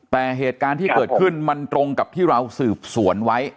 แต่เหตุการณ์ที่เกิดขึ้นมันตรงกับที่เราสืบสวนไว้